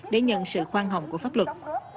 để nhận sự khoan hồng của pháp luật